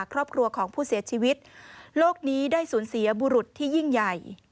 ครอบครัวของผู้เสียชีวิตโลกนี้ได้สูญเสียบุรุษที่ยิ่งใหญ่